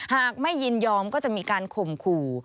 หากไม่ยินยอมก็จะมีการข่มขู่